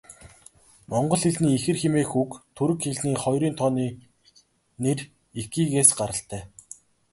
Монгол хэлний ихэр хэмээх үг түрэг хэлний хоёрын тооны нэр 'ики'-ээс гаралтай.